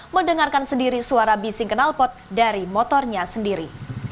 mendengarkan sendiri suara bising kenalpot dari motornya sendiri